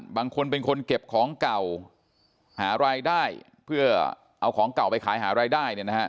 บางคนเป็นคนเก็บของเก่าหารายได้เพื่อเอาของเก่าไปขายหารายได้เนี่ยนะฮะ